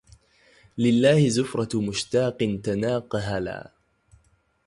لله زفرة مشتاق تناقهلا